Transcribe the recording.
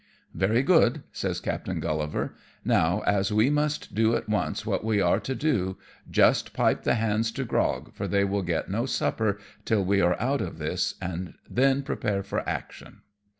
" Very good," says Captain GuUivar, " now, as we must do at once what we are to do, just pipe the WE LEA VE NIE WCHWANG. $ i hands to grog, for they will get no supper till we are out of thisj and then prepare for action."